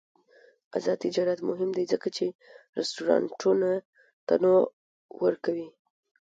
آزاد تجارت مهم دی ځکه چې رستورانټونه تنوع ورکوي.